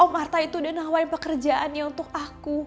om arta itu udah nawain pekerjaannya untuk aku